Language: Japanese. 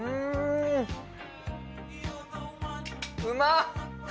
うまっ！